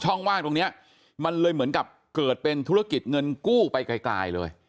ว่างตรงนี้มันเลยเหมือนกับเกิดเป็นธุรกิจเงินกู้ไปไกลเลย